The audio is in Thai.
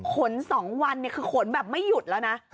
๒วันคือขนแบบไม่หยุดแล้วนะ